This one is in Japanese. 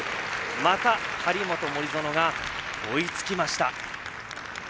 また、張本、森薗が追いつきました。